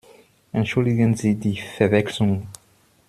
Entschuldigen Sie die Verwechslung!